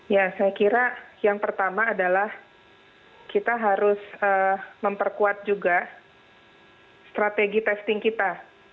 ya saya kira yang pertama adalah kita harus memperkuat juga strategi testing kita